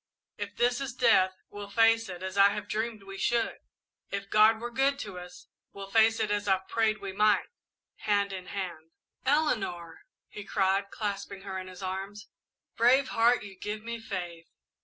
If this is death, we'll face it as I have dreamed we should, if God were good to us; we'll face it as I've prayed we might hand in hand!" "Eleanor!" he cried, clasping her in his arms. "Brave heart, you give me faith!